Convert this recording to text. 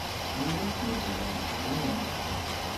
Iwala-tt Meẓyan, daɣen.